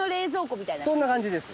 そんな感じです。